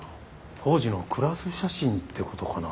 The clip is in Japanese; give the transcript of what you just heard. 当時のクラス写真って事かな？